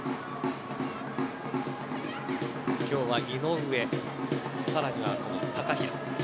今日は井上、さらには高平。